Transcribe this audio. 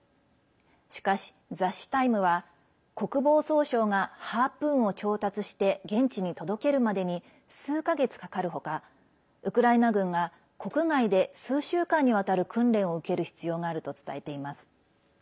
しかし、雑誌「タイム」は国防総省が「ハープーン」を調達して現地に届けるまでに数か月かかるほかウクライナ軍が国外で数週間にわたる訓練を受ける必要があると伝えています。